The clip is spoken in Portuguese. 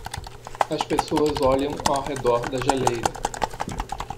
As pessoas olham ao redor da geleira